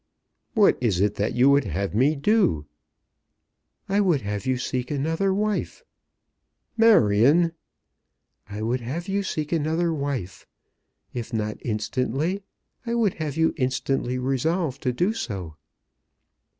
"What is it that you would have me do?" "I would have you seek another wife." "Marion!" "I would have you seek another wife. If not instantly, I would have you instantly resolve to do so."